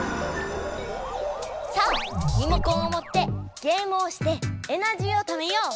さあリモコンをもってゲームをしてエナジーをためよう！